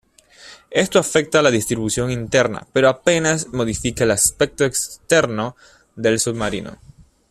Esto afecta a la distribución interna pero apenas modifica el aspecto externo del submarino.